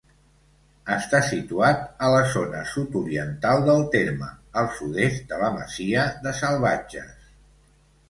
Està situat a la zona sud-oriental del terme, al sud-est de la masia de Salvatges.